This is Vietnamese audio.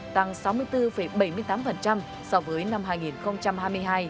tăng sáu mươi bốn bảy mươi tám so với năm hai nghìn hai mươi hai